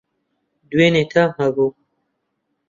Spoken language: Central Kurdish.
دوێنی تام هەبوو